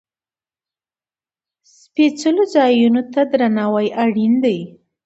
سپېڅلو ځایونو ته درناوی اړین دی.